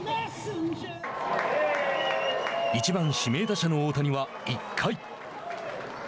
１番指名打者の大谷は１回。